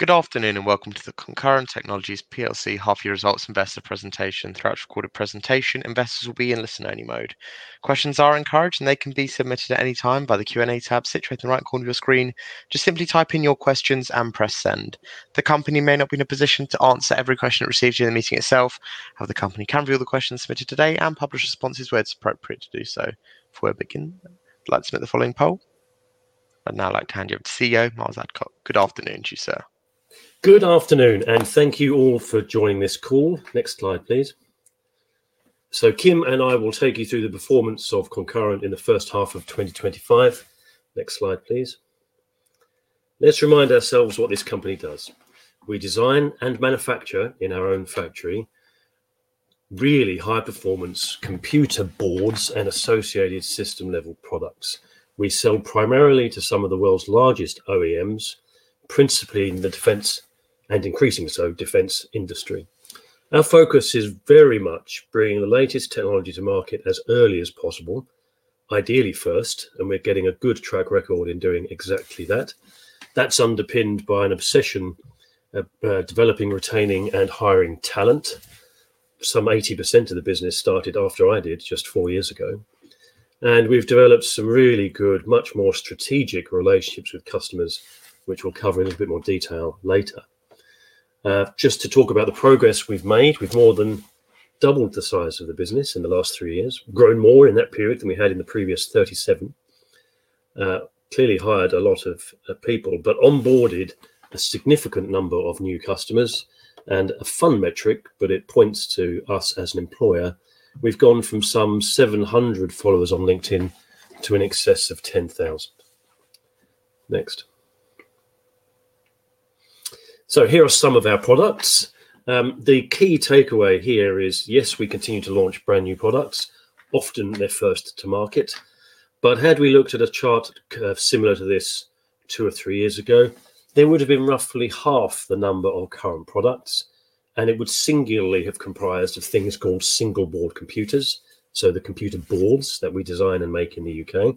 Good afternoon, and welcome to the Concurrent Technologies Plc half-year results investor presentation. Throughout this recorded presentation, investors will be in listen-only mode. Questions are encouraged, and they can be submitted at any time by the Q&A tab situated in the right corner of your screen. Just simply type in your questions and press send. The company may not be in a position to answer every question it receives during the meeting itself, however, the company can review the questions submitted today and publish responses where it's appropriate to do so. Before we begin, I'd like to submit the following poll. I'd now like to hand you over to the CEO, Miles Adcock. Good afternoon to you, sir. Good afternoon, and thank you all for joining this call. Next slide, please. Kim and I will take you through the performance of Concurrent in the first half of 2025. Next slide, please. Let's remind ourselves what this company does. We design and manufacture in our own factory really high-performance computer boards and associated system-level products. We sell primarily to some of the world's largest OEMs, principally in the defense, and increasingly so, defense industry. Our focus is very much bringing the latest technology to market as early as possible, ideally first, and we're getting a good track record in doing exactly that. That's underpinned by an obsession of developing, retaining, and hiring talent. Some 80% of the business started after I did just four years ago. We've developed some really good, much more strategic relationships with customers, which we'll cover in a bit more detail later. Just to talk about the progress we've made, we've more than doubled the size of the business in the last three years, grown more in that period than we had in the previous 37. Clearly hired a lot of people, but onboarded a significant number of new customers and a fun metric, but it points to us as an employer. We've gone from some 700 followers on LinkedIn to in excess of 10,000. Next. Here are some of our products. The key takeaway here is, yes, we continue to launch brand-new products. Often they're first to market. Had we looked at a chart curve similar to this two or three years ago, there would have been roughly half the number of current products, and it would singularly have comprised of things called single-board computers. The computer boards that we design and make in the U.K.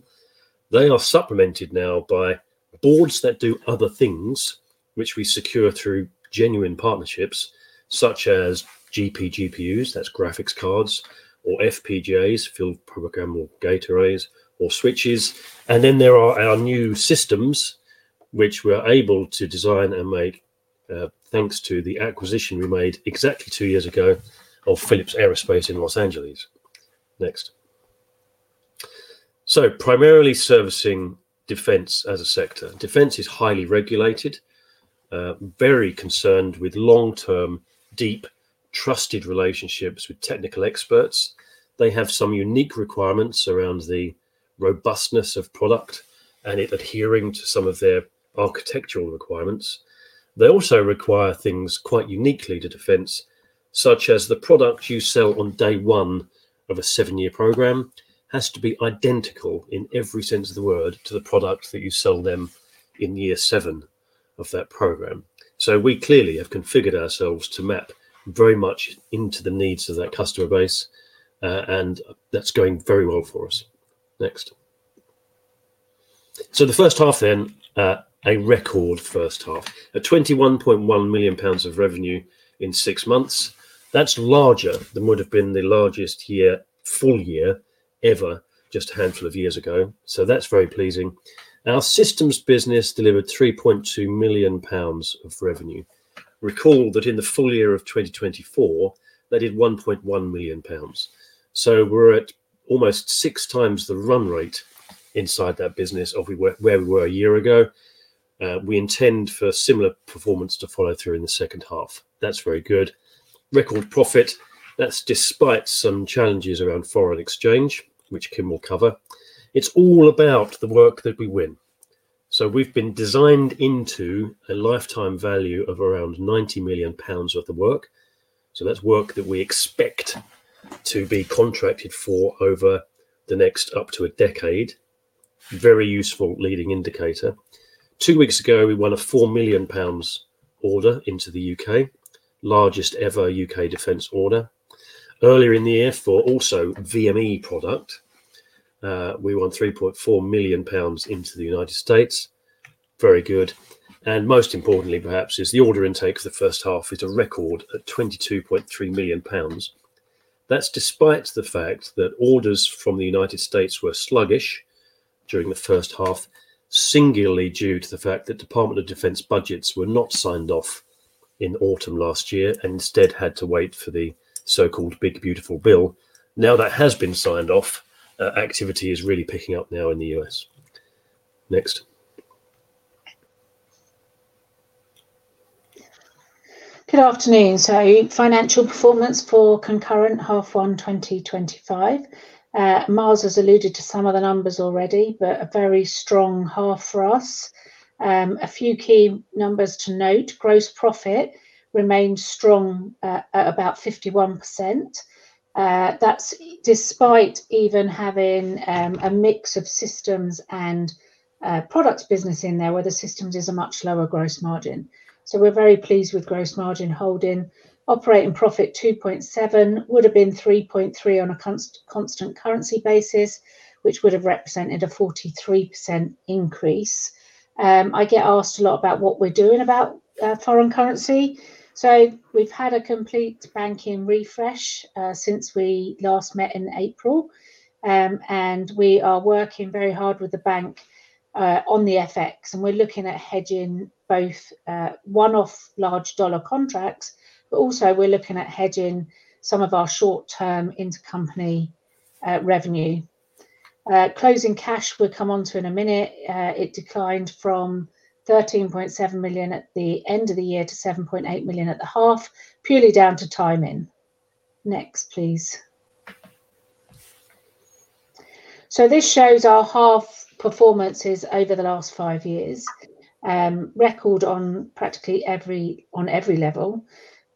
They are supplemented now by boards that do other things which we secure through genuine partnerships, such as GPGPUs, that's graphics cards, or FPGAs, field-programmable gate arrays, or switches. Then there are our new systems which we are able to design and make, thanks to the acquisition we made exactly two years ago of Phillips Aerospace in Los Angeles. Next. Primarily servicing defense as a sector. Defense is highly regulated, very concerned with long-term, deep, trusted relationships with technical experts. They have some unique requirements around the robustness of product and it adhering to some of their architectural requirements. They also require things quite uniquely to defense, such as the product you sell on day one of a seven-year program has to be identical in every sense of the word to the product that you sell them in year seven of that program. We clearly have configured ourselves to map very much into the needs of that customer base, and that's going very well for us. Next. The first half, a record first half. At 21.1 million pounds of revenue in six months, that's larger than would have been the largest year, full year ever, just a handful of years ago. That's very pleasing. Our systems business delivered 3.2 million pounds of revenue. Recall that in the full year of 2024, they did 1.1 million pounds. We're at almost six times the run rate inside that business of where we were a year ago. We intend for similar performance to follow through in the second half. That's very good. Record profit. That's despite some challenges around foreign exchange, which Kim will cover. It's all about the work that we win. We've been designed into a lifetime value of around 90 million pounds of the work. That's work that we expect to be contracted for over the next up to a decade. Very useful leading indicator. Two weeks ago, we won a 4 million pounds order into the U.K., largest ever U.K. defense order. Earlier in the year, also for VME product, we won 3.4 million pounds into the U.S. Very good. Most importantly perhaps, is the order intake for the first half is a record at 22.3 million pounds. That's despite the fact that orders from the U.S. were sluggish during the first half, singularly due to the fact that Department of Defense budgets were not signed off in autumn last year and instead had to wait for the so-called Big Beautiful Bill. Now that has been signed off, activity is really picking up now in the U.S. Next. Good afternoon. Financial performance for Concurrent H1 2025. Miles has alluded to some of the numbers already, but a very strong half for us. A few key numbers to note. Gross profit remains strong at about 51%. That's despite even having a mix of systems and products business in there, where the systems is a much lower gross margin. We're very pleased with gross margin holding. Operating profit 2.7 million would have been 3.3 million on a constant currency basis, which would have represented a 43% increase. I get asked a lot about what we're doing about foreign currency. We've had a complete banking refresh since we last met in April. We are working very hard with the bank on the FX, and we're looking at hedging both one-off large dollar contracts, but also we're looking at hedging some of our short-term intercompany revenue. Closing cash we'll come onto in a minute. It declined from 13.7 million at the end of the year to 7.8 million at the half, purely down to timing. Next, please. This shows our half performances over the last five years. Record on practically every level.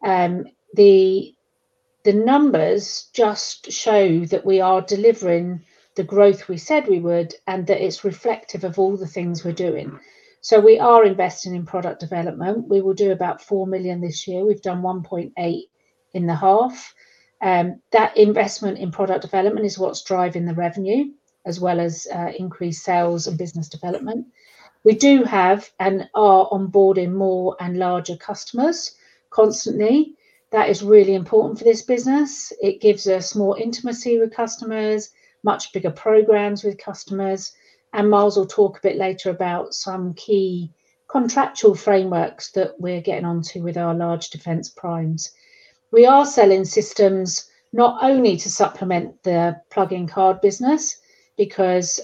The numbers just show that we are delivering the growth we said we would, and that it's reflective of all the things we're doing. We are investing in product development. We will do about 4 million this year. We've done 1.8 million in the half. That investment in product development is what's driving the revenue as well as, increased sales and business development. We do have and are onboarding more and larger customers constantly. That is really important for this business. It gives us more intimacy with customers, much bigger programs with customers, and Miles will talk a bit later about some key contractual frameworks that we're getting onto with our large defense primes. We are selling systems not only to supplement the plug-in card business because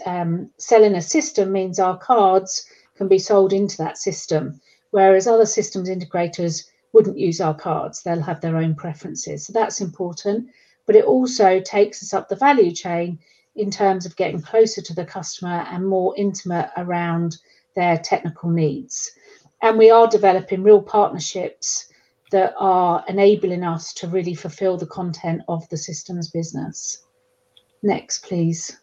selling a system means our cards can be sold into that system, whereas other systems integrators wouldn't use our cards. They'll have their own preferences. That's important. It also takes us up the value chain in terms of getting closer to the customer and more intimate around their technical needs. We are developing real partnerships that are enabling us to really fulfill the content of the systems business. Next, please.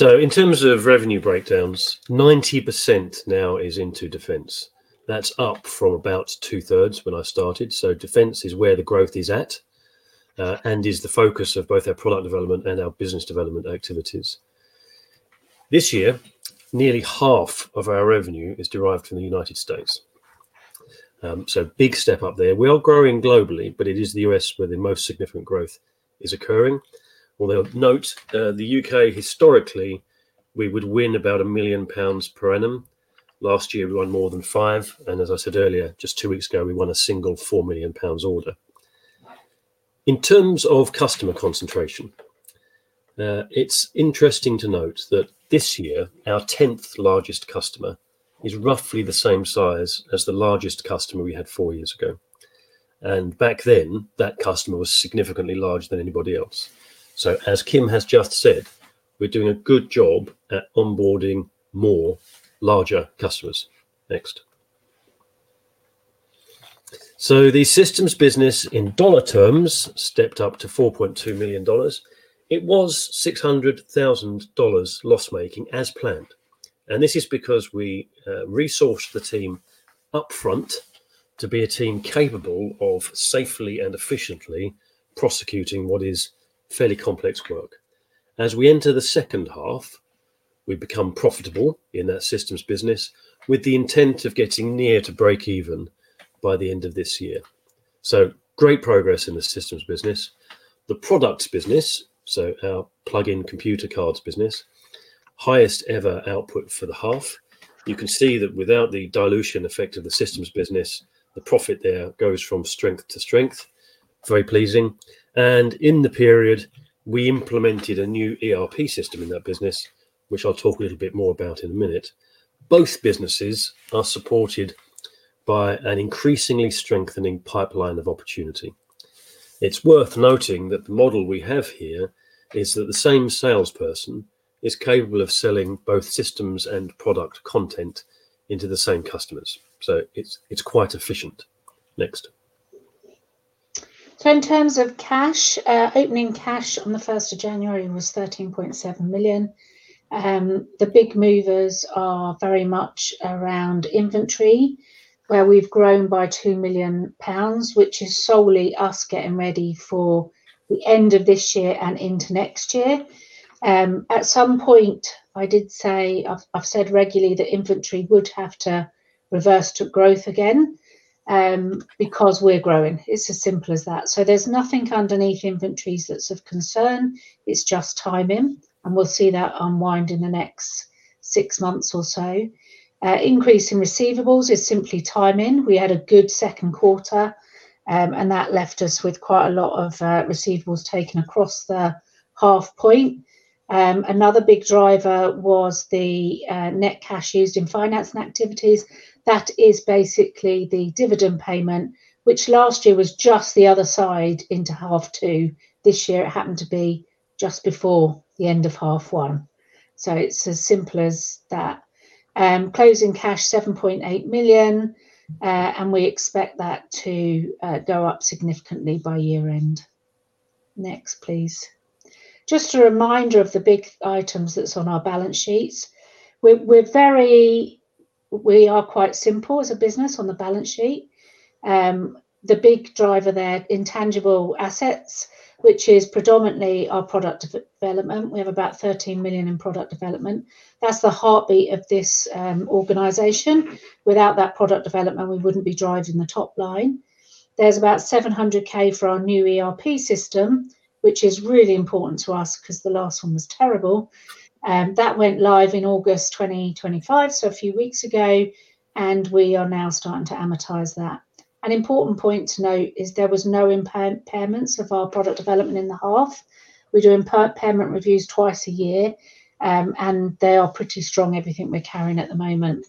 In terms of revenue breakdowns, 90% now is into defense. That's up from about 2/3 when I started. Defense is where the growth is at, and is the focus of both our product development and our business development activities. This year, nearly half of our revenue is derived from the U.S. Big step up there. We are growing globally, but it is the U.S. where the most significant growth is occurring. Although note, the U.K. historically, we would win about 1 million pounds per annum. Last year, we won more than 5 million, and as I said earlier, just two weeks ago, we won a single 4 million pounds order. In terms of customer concentration, it's interesting to note that this year, our 10th largest customer is roughly the same size as the largest customer we had four years ago. Back then, that customer was significantly larger than anybody else. As Kim has just said, we're doing a good job at onboarding more larger customers. Next. The systems business in dollar terms stepped up to $4.2 million. It was $600,000 loss-making as planned. This is because we resourced the team upfront to be a team capable of safely and efficiently prosecuting what is fairly complex work. As we enter the second half, we become profitable in that systems business with the intent of getting near to breakeven by the end of this year. Great progress in the systems business. The products business, so our plug-in computer cards business, highest ever output for the half. You can see that without the dilution effect of the systems business, the profit there goes from strength to strength. Very pleasing. In the period, we implemented a new ERP system in that business, which I'll talk a little bit more about in a minute. Both businesses are supported by an increasingly strengthening pipeline of opportunity. It's worth noting that the model we have here is that the same salesperson is capable of selling both systems and product content into the same customers. It's quite efficient. Next. In terms of cash, opening cash on the 1st of January was 13.7 million. The big movers are very much around inventory, where we've grown by 2 million pounds, which is solely us getting ready for the end of this year and into next year. At some point, I've said regularly that inventory would have to reverse to growth again, because we're growing. It's as simple as that. There's nothing underneath inventories that's of concern. It's just timing, and we'll see that unwind in the next six months or so. Increase in receivables is simply timing. We had a good second quarter, and that left us with quite a lot of receivables taken across the half point. Another big driver was the net cash used in financing activities. That is basically the dividend payment, which last year was just the other side into half two. This year it happened to be just before the end of half one. It's as simple as that. Closing cash 7.8 million, and we expect that to go up significantly by year end. Next, please. Just a reminder of the big items that's on our balance sheets. We are quite simple as a business on the balance sheet. The big driver there, intangible assets, which is predominantly our product development. We have about 13 million in product development. That's the heartbeat of this organization. Without that product development, we wouldn't be driving the top line. There's about 700,000 for our new ERP system, which is really important to us because the last one was terrible. That went live in August 2025, so a few weeks ago, and we are now starting to amortize that. An important point to note is there was no impairments of our product development in the half. We do impairment reviews twice a year, and they are pretty strong, everything we're carrying at the moment.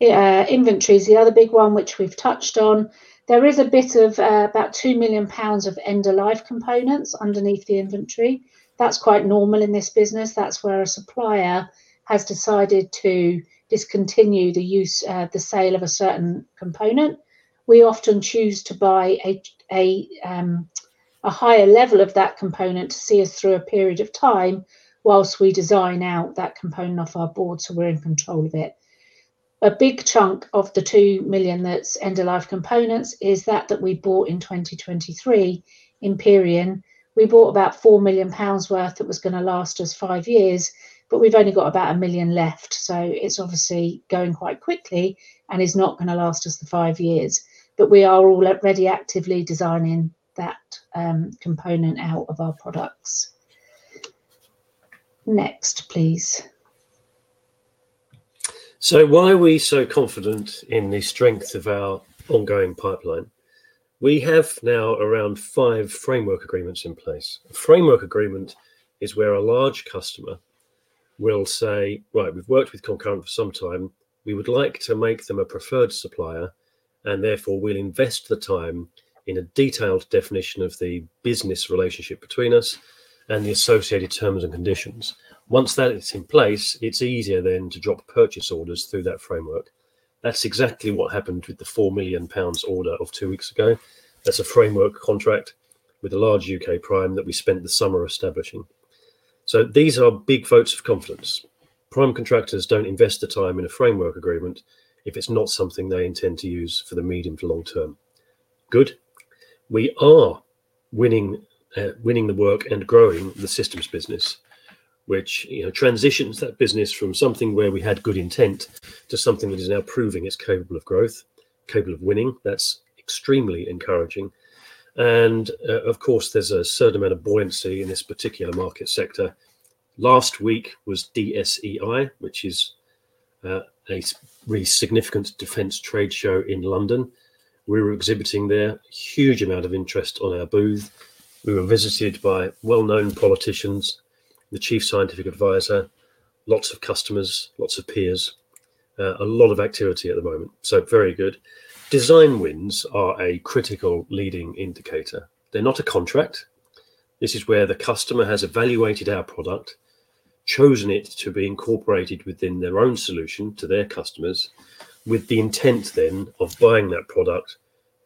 Inventory is the other big one which we've touched on. There is a bit of about 2 million pounds of end-of-life components underneath the inventory. That's quite normal in this business. That's where a supplier has decided to discontinue the use, the sale of a certain component. We often choose to buy a higher level of that component to see us through a period of time while we design out that component off our board, so we're in control of it. A big chunk of the 2 million that's end-of-life components is that we bought in 2023 period. We bought about 4 million pounds worth that was gonna last us five years, but we've only got about 1 million left, so it's obviously going quite quickly and is not gonna last us the five years. We are already actively designing that component out of our products. Next, please. Why are we so confident in the strength of our ongoing pipeline? We have now around five framework agreements in place. A framework agreement is where a large customer will say, "Right, we've worked with Concurrent for some time. We would like to make them a preferred supplier, and therefore we'll invest the time in a detailed definition of the business relationship between us and the associated terms and conditions." Once that is in place, it's easier then to drop purchase orders through that framework. That's exactly what happened with the 4 million pounds order of two weeks ago. That's a framework contract with a large U.K. prime that we spent the summer establishing. These are big votes of confidence. Prime contractors don't invest the time in a framework agreement if it's not something they intend to use for the medium to long term. Good. We are winning the work and growing the systems business, which, you know, transitions that business from something where we had good intent to something that is now proving it's capable of growth, capable of winning. That's extremely encouraging. Of course, there's a certain amount of buoyancy in this particular market sector. Last week was DSEI, which is a really significant defense trade show in London. We were exhibiting there. Huge amount of interest on our booth. We were visited by well-known politicians, the chief scientific advisor, lots of customers, lots of peers. A lot of activity at the moment, so very good. Design wins are a critical leading indicator. They're not a contract. This is where the customer has evaluated our product, chosen it to be incorporated within their own solution to their customers with the intent then of buying that product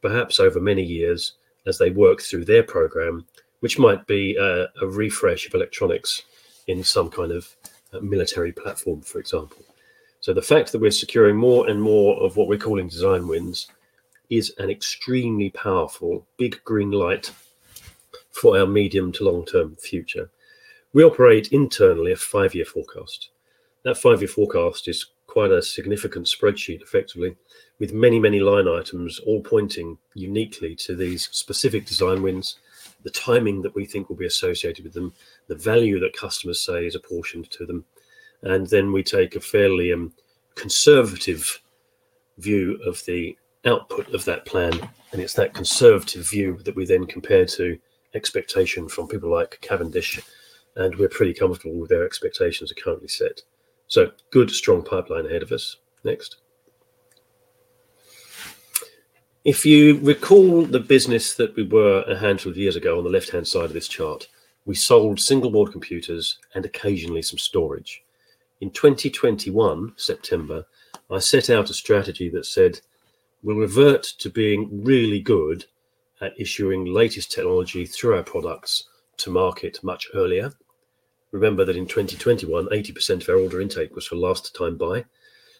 perhaps over many years as they work through their program, which might be a refresh of electronics in some kind of military platform, for example. The fact that we're securing more and more of what we're calling design wins is an extremely powerful big green light for our medium to long-term future. We operate internally a five-year forecast. That five-year forecast is quite a significant spreadsheet effectively with many, many line items all pointing uniquely to these specific design wins, the timing that we think will be associated with them, the value that customers say is apportioned to them, and then we take a fairly conservative view of the output of that plan, and it's that conservative view that we then compare to expectation from people like Cavendish, and we're pretty comfortable with their expectations are currently set. Good strong pipeline ahead of us. Next. If you recall the business that we were a handful of years ago on the left-hand side of this chart, we sold single-board computers and occasionally some storage. In September 2021, I set out a strategy that said, "We'll revert to being really good at issuing latest technology through our products to market much earlier." Remember that in 2021, 80% of our order intake was for last time buy,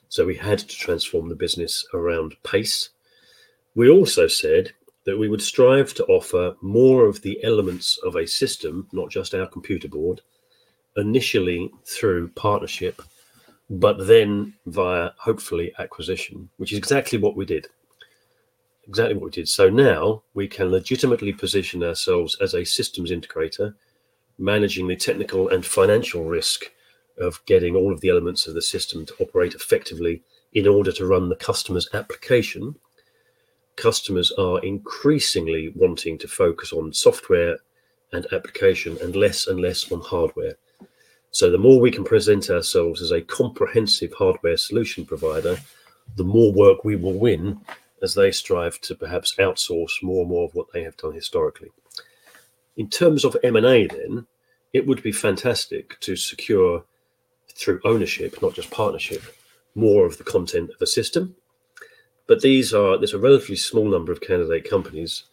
so we had to transform the business around pace. We also said that we would strive to offer more of the elements of a system, not just our computer board, initially through partnership, but then via hopefully acquisition, which is exactly what we did. Exactly what we did. Now we can legitimately position ourselves as a systems integrator managing the technical and financial risk of getting all of the elements of the system to operate effectively in order to run the customer's application. Customers are increasingly wanting to focus on software and application and less and less on hardware. The more we can present ourselves as a comprehensive hardware solution provider, the more work we will win as they strive to perhaps outsource more and more of what they have done historically. In terms of M&A then, it would be fantastic to secure through ownership, not just partnership, more of the content of a system. But these are. There's a relatively small number of candidate companies,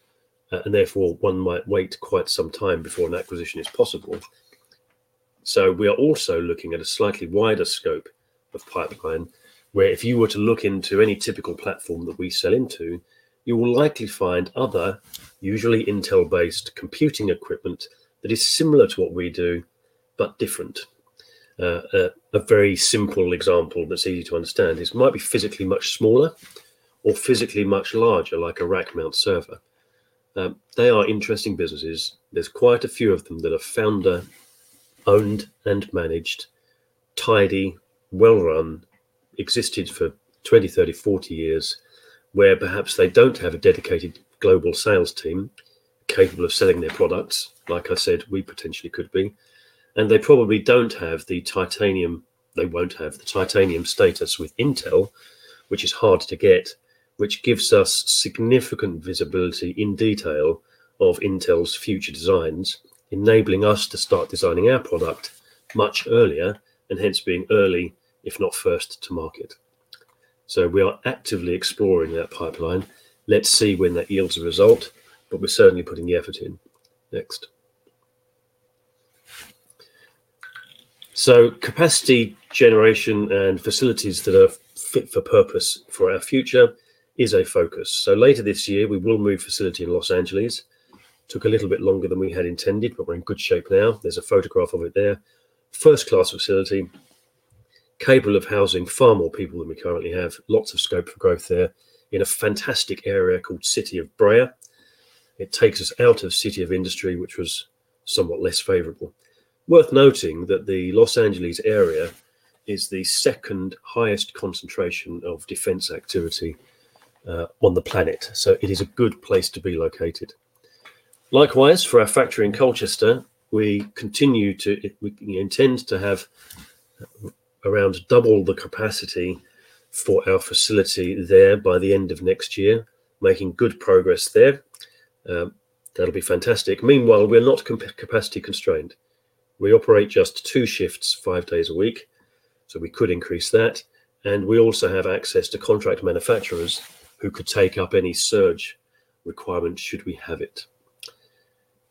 and therefore one might wait quite some time before an acquisition is possible. We are also looking at a slightly wider scope of pipeline, where if you were to look into any typical platform that we sell into, you will likely find other usually Intel-based computing equipment that is similar to what we do, but different. A very simple example that's easy to understand is might be physically much smaller or physically much larger, like a rack mount server. They are interesting businesses. There's quite a few of them that are founder-owned and managed, tidy, well-run, existed for 20, 30, 40 years, where perhaps they don't have a dedicated global sales team capable of selling their products, like I said, we potentially could be. They probably don't have the Titanium status with Intel, which is hard to get, which gives us significant visibility into the details of Intel's future designs, enabling us to start designing our product much earlier and hence being early, if not first to market. We are actively exploring that pipeline. Let's see when that yields a result, but we're certainly putting the effort in. Next. Capacity generation and facilities that are fit for purpose for our future is a focus. Later this year, we will move facility in Los Angeles. took a little bit longer than we had intended, but we're in good shape now. There's a photograph of it there. First-class facility capable of housing far more people than we currently have. Lots of scope for growth there in a fantastic area called City of Brea. It takes us out of City of Industry, which was somewhat less favorable. Worth noting that the Los Angeles area is the second highest concentration of defense activity on the planet, so it is a good place to be located. Likewise, for our factory in Colchester, we intend to have around double the capacity for our facility there by the end of next year. Making good progress there. That'll be fantastic. Meanwhile, we're not capacity constrained. We operate just two shifts, five days a week, so we could increase that. We also have access to contract manufacturers who could take up any surge requirements should we have it.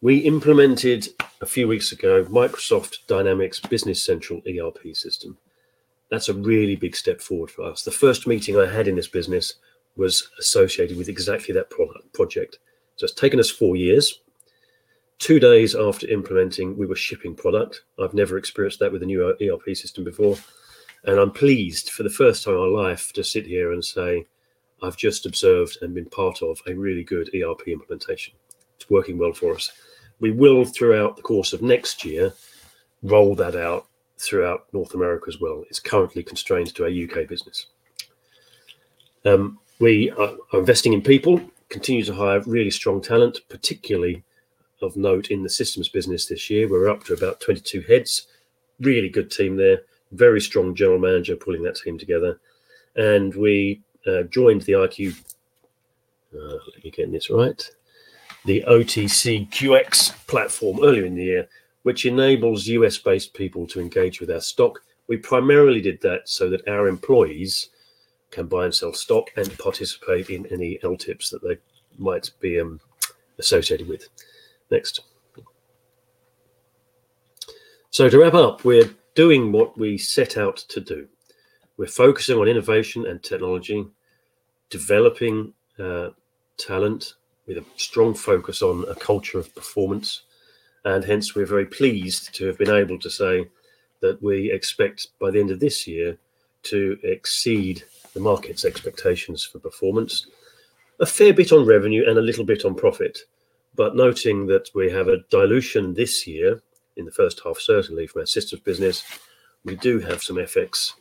We implemented a few weeks ago, Microsoft Dynamics Business Central ERP system. That's a really big step forward for us. The first meeting I had in this business was associated with exactly that project. It's taken us four years. Two days after implementing, we were shipping product. I've never experienced that with a new ERP system before, and I'm pleased for the first time in my life to sit here and say I've just observed and been part of a really good ERP implementation. It's working well for us. We will, throughout the course of next year, roll that out throughout North America as well. It's currently constrained to our U.K. business. We are investing in people, continue to hire really strong talent, particularly of note in the systems business this year. We're up to about 22 heads. Really good team there. Very strong general manager pulling that team together. We joined the OTCQX platform earlier in the year, which enables U.S.-based people to engage with our stock. We primarily did that so that our employees can buy and sell stock and participate in any LTIPs that they might be associated with. Next. To wrap up, we're doing what we set out to do. We're focusing on innovation and technology, developing talent with a strong focus on a culture of performance, and hence, we're very pleased to have been able to say that we expect by the end of this year to exceed the market's expectations for performance. A fair bit on revenue and a little bit on profit. Noting that we have a dilution this year in the first half, certainly for our systems business, we do have some FX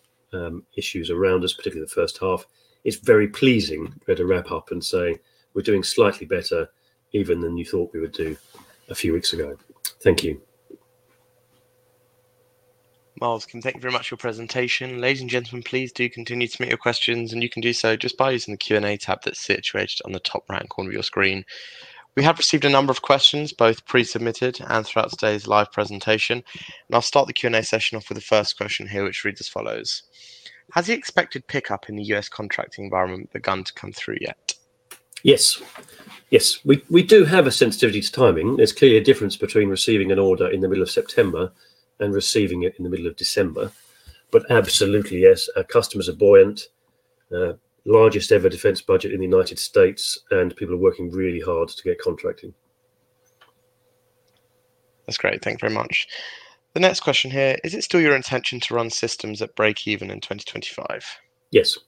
issues around us, particularly the first half. It's very pleasing to be able to wrap up and say we're doing slightly better even than you thought we would do a few weeks ago. Thank you. Miles, Kim, thank you very much for your presentation. Ladies, and gentlemen, please do continue to submit your questions, and you can do so just by using the Q&A tab that's situated on the top right corner of your screen. We have received a number of questions, both pre-submitted and throughout today's live presentation. I'll start the Q&A session off with the first question here, which reads as follows: Has the expected pickup in the U.S. contracting environment begun to come through yet? Yes. We do have a sensitivity to timing. There's clearly a difference between receiving an order in the middle of September and receiving it in the middle of December. Absolutely yes, our customers are buoyant. Largest ever defense budget in the U.S., and people are working really hard to get contracting. That's great. Thank you very much. The next question here. Is it still your intention to run systems at breakeven in 2025? Yes.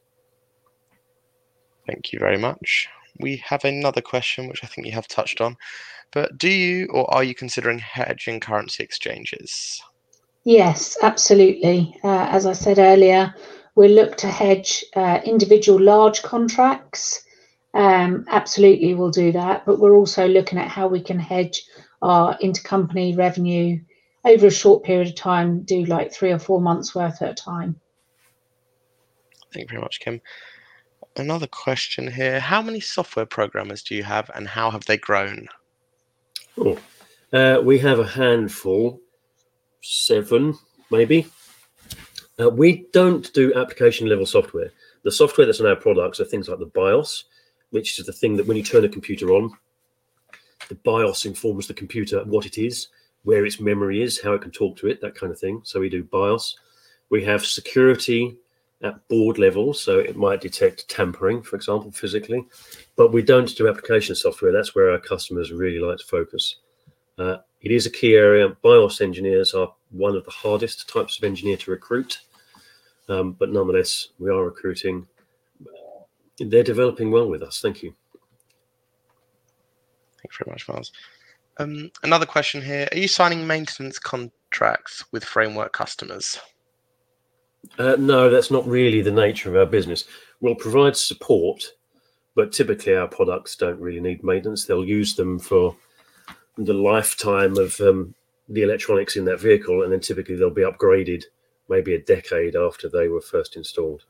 Thank you very much. We have another question which I think you have touched on. Do you or are you considering hedging currency exchanges? Yes, absolutely. As I said earlier, we look to hedge individual large contracts. Absolutely we'll do that, but we're also looking at how we can hedge our intercompany revenue over a short period of time, do like three or four months worth at a time. Thank you very much, Kim. Another question here: How many software programmers do you have, and how have they grown? We have a handful. Seven, maybe. We don't do application-level software. The software that's in our products are things like the BIOS, which is the thing that when you turn a computer on, the BIOS informs the computer what it is, where its memory is, how it can talk to it, that kind of thing. We do BIOS. We have security at board level, so it might detect tampering, for example, physically. We don't do application software. That's where our customers really like to focus. It is a key area. BIOS engineers are one of the hardest types of engineer to recruit. Nonetheless, we are recruiting. They're developing well with us. Thank you. Thanks very much, Miles. Another question here. Are you signing maintenance contracts with framework customers? No, that's not really the nature of our business. We'll provide support, but typically, our products don't really need maintenance. They'll use them for the lifetime of the electronics in their vehicle, and then typically they'll be upgraded maybe a decade after they were first installed.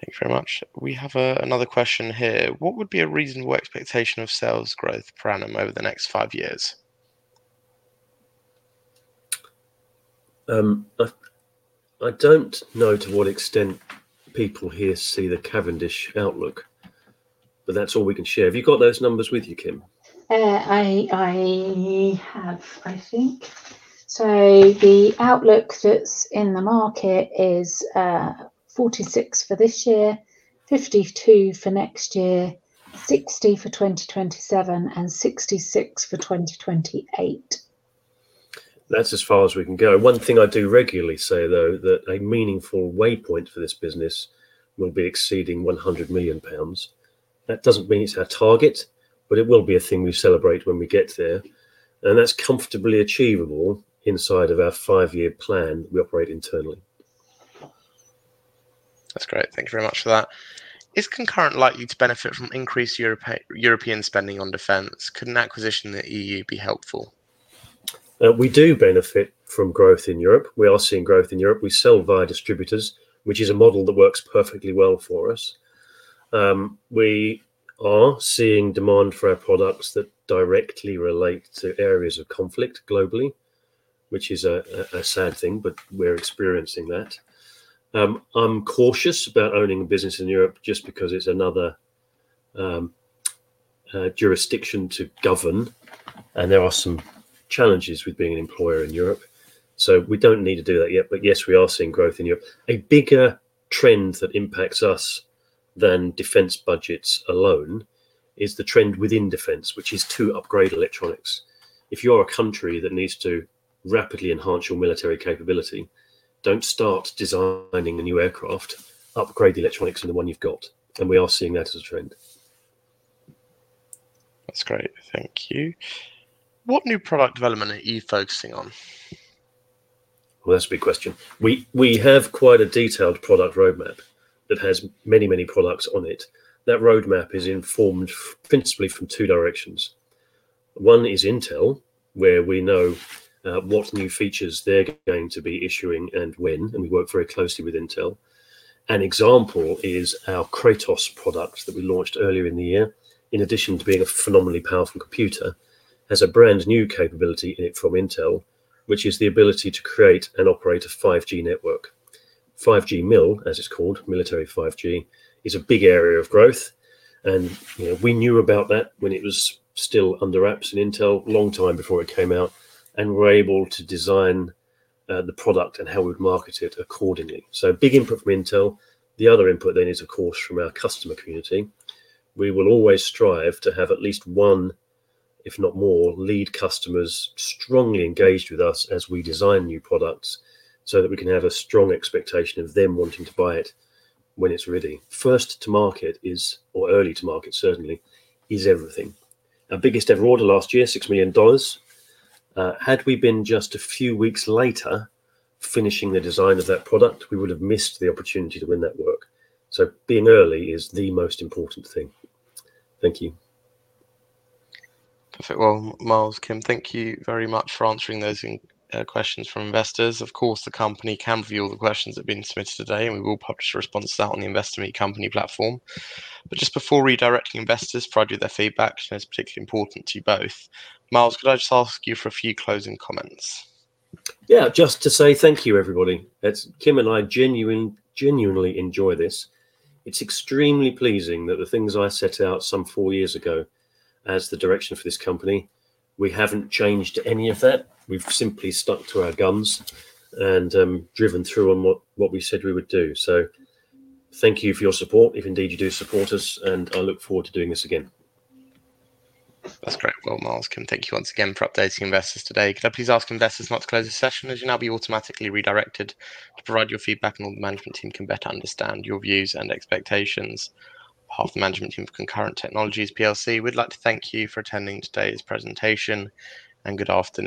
Thank you very much. We have another question here. What would be a reasonable expectation of sales growth per annum over the next five years? I don't know to what extent people here see the Cavendish outlook, but that's all we can share. Have you got those numbers with you, Kim? The outlook that's in the market is 46 million for this year, 52 million for next year, 60 million for 2027 and 66 million for 2028. That's as far as we can go. One thing I do regularly say, though, that a meaningful waypoint for this business will be exceeding 100 million pounds. That doesn't mean it's our target, but it will be a thing we celebrate when we get there, and that's comfortably achievable inside of our five-year plan we operate internally. That's great. Thank you very much for that. Is Concurrent likely to benefit from increased European spending on defense? Could an acquisition in the EU be helpful? We do benefit from growth in Europe. We are seeing growth in Europe. We sell via distributors, which is a model that works perfectly well for us. We are seeing demand for our products that directly relate to areas of conflict globally, which is a sad thing, but we're experiencing that. I'm cautious about owning a business in Europe just because it's another jurisdiction to govern, and there are some challenges with being an employer in Europe, so we don't need to do that yet. Yes, we are seeing growth in Europe. A bigger trend that impacts us than defense budgets alone is the trend within defense, which is to upgrade electronics. If you're a country that needs to rapidly enhance your military capability, don't start designing a new aircraft. Upgrade the electronics in the one you've got, and we are seeing that as a trend. That's great. Thank you. What new product development are you focusing on? Well, that's a big question. We have quite a detailed product roadmap that has many, many products on it. That roadmap is informed principally from two directions. One is Intel, where we know what new features they're going to be issuing and when, and we work very closely with Intel. An example is our Kratos product that we launched earlier in the year. In addition to being a phenomenally powerful computer, it has a brand-new capability in it from Intel, which is the ability to create and operate a 5G network. 5G.MIL, as it's called, Military 5G, is a big area of growth and, you know, we knew about that when it was still under wraps in Intel, long time before it came out, and we're able to design the product and how we'd market it accordingly. So big input from Intel. The other input then is, of course, from our customer community. We will always strive to have at least one, if not more, lead customers strongly engaged with us as we design new products so that we can have a strong expectation of them wanting to buy it when it's ready. First to market, or early to market certainly, is everything. Our biggest ever order last year, $6 million. Had we been just a few weeks later finishing the design of that product, we would have missed the opportunity to win that work. Being early is the most important thing. Thank you. Perfect. Well, Miles, Kim, thank you very much for answering those questions from investors. Of course, the company can view all the questions that have been submitted today, and we will publish a response to that on the Investor Meet Company platform. Just before redirecting investors, provide you their feedback, so that's particularly important to you both. Miles, could I just ask you for a few closing comments? Yeah. Just to say thank you, everybody. It's Kim and I genuinely enjoy this. It's extremely pleasing that the things I set out some four years ago as the direction for this company, we haven't changed any of that. We've simply stuck to our guns and driven through on what we said we would do. Thank you for your support, if indeed you do support us, and I look forward to doing this again. That's great. Well, Miles, Kim, thank you once again for updating investors today. Could I please ask investors now to close the session, as you'll now be automatically redirected to provide your feedback and all the management team can better understand your views and expectations. On behalf of the management team for Concurrent Technologies Plc, we'd like to thank you for attending today's presentation, and good afternoon.